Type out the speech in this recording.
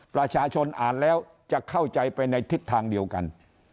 ประชาชนอ่านแล้วจะเข้าใจไปในทิศทางเดียวกัน